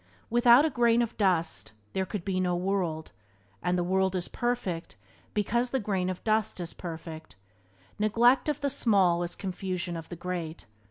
Without a grain of dust there could be no world, and the world is perfect because the grain of dust is perfect. Neglect of the small is confusion of the great.